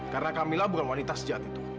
karena kamila bukan wanita sejahat itu